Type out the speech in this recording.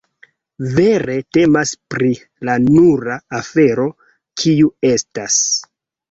Vere temas pri la nura afero, kiu estas.